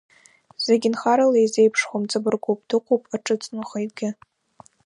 Зегьы нхарала изеиԥшхом, ҵабыргуп, дыҟоуп аҿыцнхаҩгьы.